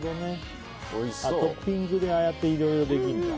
トッピングでああやっていろいろできるんだ。